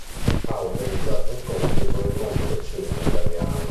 Ha organizzato incontri con il mondo del cinema italiano.